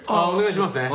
お願いします。